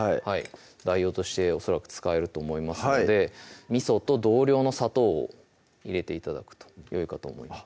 代用として恐らく使えると思いますので味と同量の砂糖を入れて頂くとよいかと思います